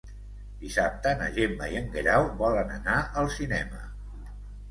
Dissabte na Gemma i en Guerau volen anar al cinema.